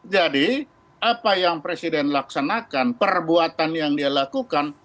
jadi apa yang presiden laksanakan perbuatan yang dia lakukan